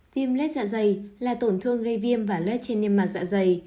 viêm lết dạ dày là tổn thương gây viêm và lét trên niêm mạc dạ dày